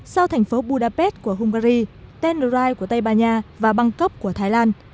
sau thành phố budapest của hungary tendrai của tây ban nha và bangkok của thái lan